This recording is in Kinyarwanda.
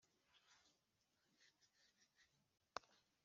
Ncura imiborogo ngeza mu kindi gitondo.